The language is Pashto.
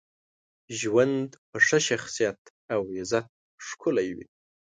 ژوند په ښه شخصیت او عزت ښکلی وي.